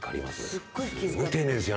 すごい丁寧ですよ